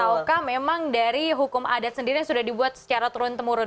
ataukah memang dari hukum adat sendiri yang sudah dibuat secara turun temurun